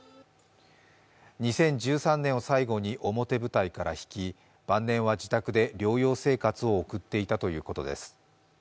２０１３年を最後に表舞台から引き、晩年は自宅で療養生活を送っていたということです。